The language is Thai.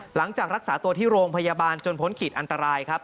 หลังจากรักษาตัวที่โรงพยาบาลจนพ้นขีดอันตรายครับ